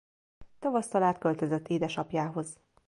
Tavasszal átköltözött édesapjához.